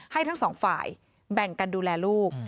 ทั้งสองฝ่ายแบ่งกันดูแลลูก